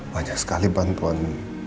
banyak sekali bantuan